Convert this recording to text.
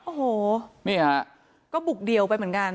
โอ้โหก็บุกเดียวไปเหมือนกัน